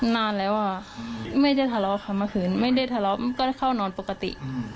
นานแล้วอ่ะไม่ได้ทะเลาะค่ะเมื่อคืนไม่ได้ทะเลาะก็เข้านอนปกติ